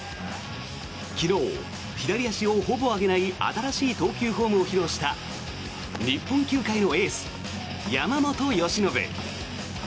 昨日、左足をほぼ上げない新しい投球フォームを披露した日本球界のエース、山本由伸。